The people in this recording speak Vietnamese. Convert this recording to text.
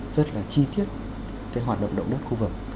rất là chi tiết cái hoạt động động đất khu vực